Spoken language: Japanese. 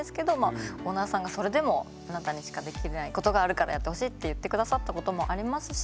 オーナーさんがそれでもあなたにしかできないことがあるからやってほしいって言って下さったこともありますし。